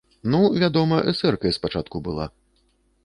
Ну, вядома, эсэркай спачатку была.